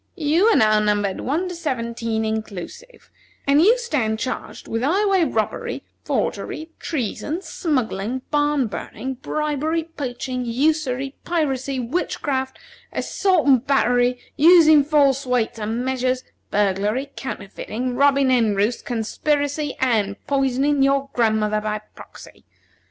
You are now numbered One to Seventeen inclusive, and you stand charged with highway robbery, forgery, treason, smuggling, barn burning, bribery, poaching, usury, piracy, witchcraft, assault and battery, using false weights and measures, burglary, counterfeiting, robbing hen roosts, conspiracy, and poisoning your grandmother by proxy.